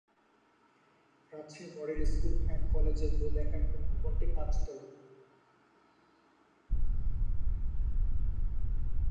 Rajshahi model school and college এর মূল academic ভবনটি পাঁচ তলা।